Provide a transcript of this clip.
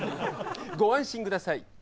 ご安心ください。